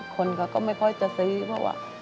คนก็ไม่ค่อยจะซื้อเพราะว่า